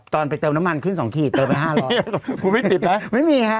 ไปเติมน้ำมันขึ้นสองขีดเติมไปห้าร้อยคุณไม่ติดนะไม่มีฮะ